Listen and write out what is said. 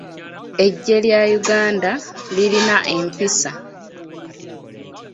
Eggye lya Uganda lirina empisa.